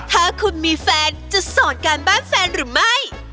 ถ้าคุณมีแฟนจะสอนการบ้านแฟนหรือไม่